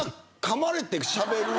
かまれてしゃべる。